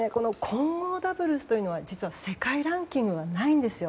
混合ダブルスというのは実は世界ランキングがないんですよ。